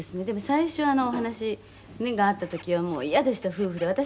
でも最初お話があった時はもう嫌でした夫婦で。